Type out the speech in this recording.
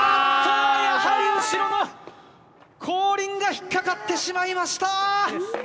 やはり後ろの、後輪が引っ掛かってしまいました。